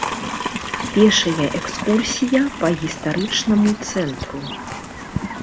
Пешая экскурсія па гістарычнаму цэнтру.